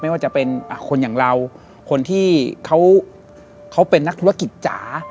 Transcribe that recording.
ว่าจะเป็นคนอย่างเราคนที่เขาเป็นนักธุรกิจจ๋า